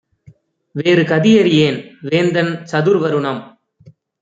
வேறு கதியறியேன்; வேந்தன் சதுர்வருணம்